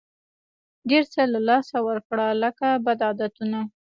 ډېر څه له لاسه ورکړه لکه بد عادتونه.